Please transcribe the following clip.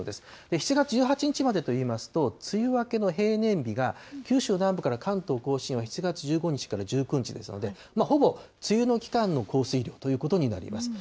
７月１８日までといいますと、梅雨明けの平年日が九州南部から関東甲信は、７月１５日から１９日ですので、ほぼ梅雨の期間の降水量ということになります。